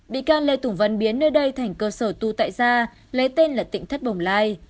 bị can lê tùng vân biến nơi đây thành cơ sở tu tại da lấy tên là tỉnh thất bồng lai